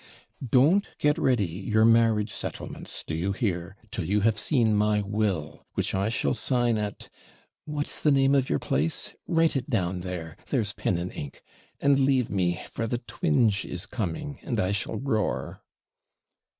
Don't get ready your marriage settlements, do you hear, till you have seen my will, which I shall sign at what's the name of your place? Write it down there; there's pen and ink; and leave me, for the twinge is coming, and I shall roar.'